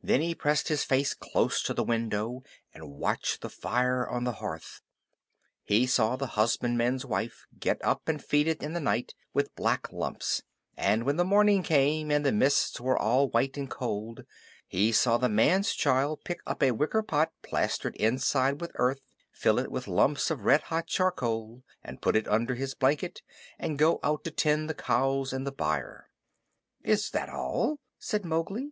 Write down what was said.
Then he pressed his face close to the window and watched the fire on the hearth. He saw the husbandman's wife get up and feed it in the night with black lumps. And when the morning came and the mists were all white and cold, he saw the man's child pick up a wicker pot plastered inside with earth, fill it with lumps of red hot charcoal, put it under his blanket, and go out to tend the cows in the byre. "Is that all?" said Mowgli.